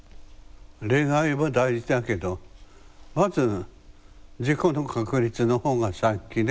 恋愛も大事だけどまず自己の確立の方が先ね。